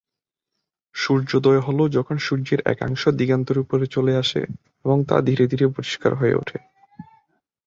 সূর্যোদয় হল যখন সূর্যের একাংশ দিগন্তের উপরে চলে আসে এবং তা ধীরে ধীরে পরিষ্কার হয়ে ওঠে।